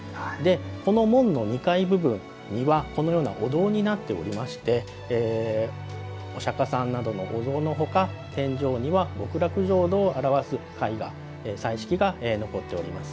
この門の２階部分はお堂になっておりまして御釈迦さんなどのお像のほか天井には、極楽浄土を表す絵画彩色が残っています。